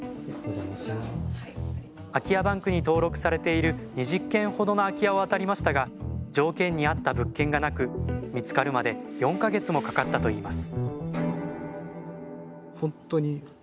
空き家バンクに登録されている２０軒ほどの空き家をあたりましたが条件に合った物件がなく見つかるまで４か月もかかったといいます